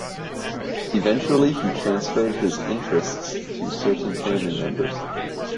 Eventually he transferred his interests to certain family members.